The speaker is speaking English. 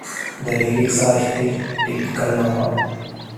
The lyrics are still typical Nova.